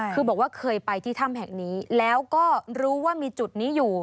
คือบอกว่าเคยไปที่ถ้ำแห่งนี้แล้วก็รู้ว่ามีจุดนี้อยู่